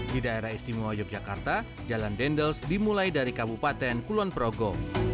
di daerah istimewa yogyakarta jalan dendels dimulai dari kabupaten kulon progo